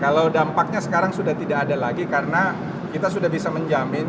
kalau dampaknya sekarang sudah tidak ada lagi karena kita sudah bisa menjamin